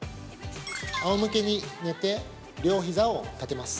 あおむけに寝て、両ひざを立てます。